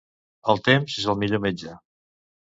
El temps és el millor metge.